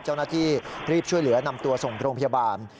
เจ้าหน้าที่รีบช่วยเหลือนำตัวส่งโรงพยาบาล